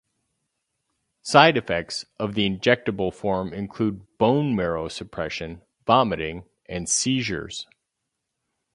Side effects of the injectable form include bone marrow suppression, vomiting, and seizures.